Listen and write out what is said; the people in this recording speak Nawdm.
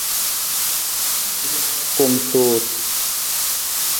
Kumtuur.